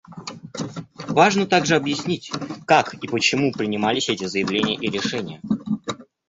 Важно также объяснить, как и почему принимались эти заявления и решения.